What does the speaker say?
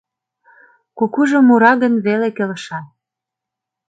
Кукужо мура гын, веле келша.